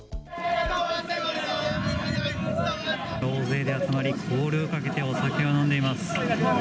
大勢で集まり、コールをかけてお酒を飲んでいます。